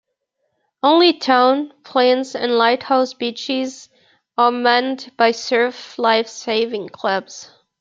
Only Town, Flynns and Lighthouse Beaches are manned by Surf Life Saving Clubs.